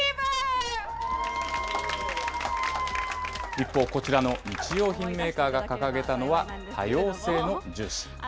一方、こちらの日用品メーカーが掲げたのは、多様性の重視。